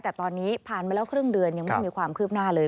แต่ตอนนี้ผ่านมาแล้วครึ่งเดือนยังไม่มีความคืบหน้าเลย